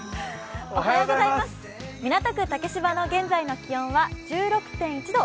港区竹芝の現在の気温は１６．１度。